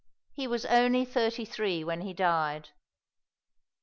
He was only thirty three when he died.